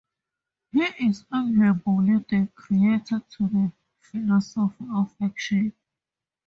He is arguably the creator of the philosophy of action.